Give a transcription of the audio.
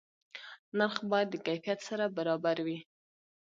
نرخ باید د کیفیت سره برابر وي.